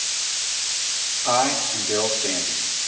I am Darrell Standing.